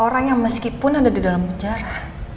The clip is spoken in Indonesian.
orang yang meskipun ada di dalam penjara